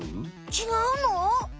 ちがうの？